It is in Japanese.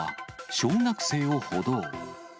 小学生を補導。